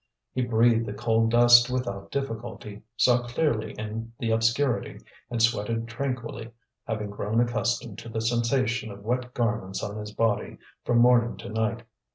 He breathed the coal dust without difficulty, saw clearly in the obscurity, and sweated tranquilly, having grown accustomed to the sensation of wet garments on his body from morning to night.